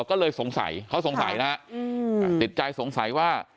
ก็เลยสงสัยเขาสงสัยนะฮะติดใจสงสัยว่า